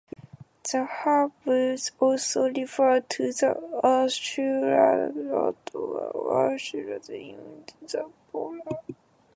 The Hebrews also referred to the "Ashtarot" or "Astartes" in the plural.